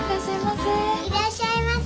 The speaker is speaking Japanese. いらっしゃいませ。